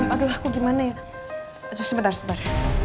aduh aku gimana ya sebentar sebentar